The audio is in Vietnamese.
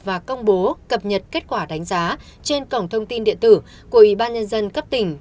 và công bố cập nhật kết quả đánh giá trên cổng thông tin điện tử của ủy ban nhân dân cấp tỉnh